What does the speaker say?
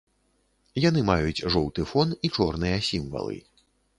Яны маюць жоўты фон і чорныя сімвалы.